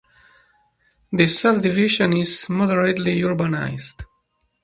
The subdivision is moderately urbanized.